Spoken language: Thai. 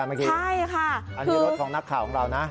อันนี้รถของนักข่าวของเรานะ